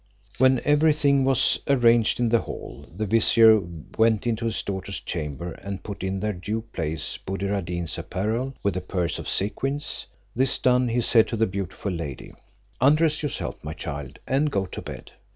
When every thing was arranged in the hall, the vizier went into his daughter's chamber and put in their due place Buddir ad Deen's apparel, with the purse of sequins. This done, he said to the beautiful lady, "Undress yourself, my child, and go to bed.